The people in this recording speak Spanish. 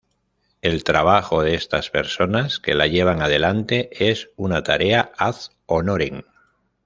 El trabajo de estas personas que la llevan adelante es una tarea ad honorem.